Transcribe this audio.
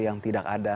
yang tidak ada